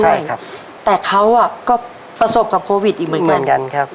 ใช่ครับแต่เขาก็ประสบกับโควิดอีกเหมือนกันครับ